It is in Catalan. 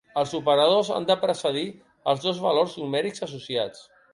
Els operadors han de precedir els dos valors numèrics associats.